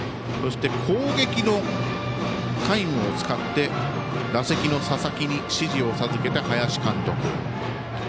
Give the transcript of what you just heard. そして、攻撃のタイムを使って打席の佐々木に指示を授けた林監督。